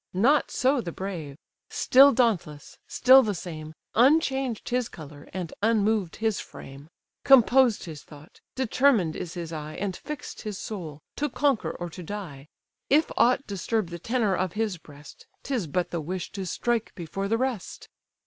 Not so the brave—still dauntless, still the same, Unchanged his colour, and unmoved his frame: Composed his thought, determined is his eye, And fix'd his soul, to conquer or to die: If aught disturb the tenour of his breast, 'Tis but the wish to strike before the rest.